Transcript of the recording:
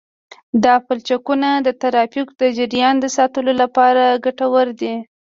دا پلچکونه د ترافیکو د جریان د ساتلو لپاره ګټور دي